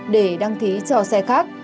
và đăng ký cho xe khác